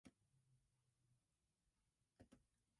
The news is a valuable source of information for many people.